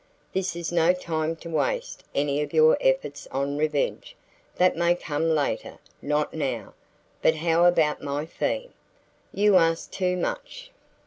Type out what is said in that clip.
"This is no time to waste any of your efforts on revenge. That may come later, not now. But how about my fee?" "You ask too much."